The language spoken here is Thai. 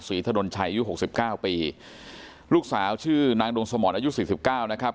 สีทะดนชัยยุคหกสิบเก้าปีลูกสาวชื่อนางดงสมรอายุสิบเก้านะครับ